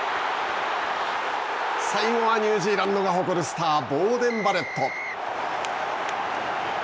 最後はニュージーランドが誇るボーデン・バレット！